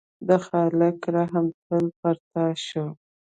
د خالق رحم تل پر تا شو.